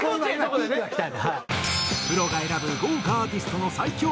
プロが選ぶ豪華アーティストの最強